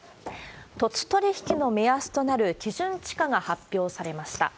土地取引の目安となる基準地価が発表されました。